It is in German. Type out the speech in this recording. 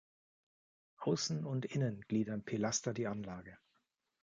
Außen und innen gliedern Pilaster die Anlage.